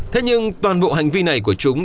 thế nhưng toàn bộ hành vi này của chúng